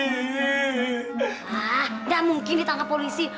ah nggak mungkin ditangkap polisi